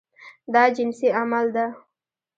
دا جنسي عمل ده.